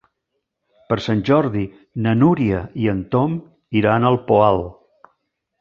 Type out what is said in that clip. Per Sant Jordi na Núria i en Tom iran al Poal.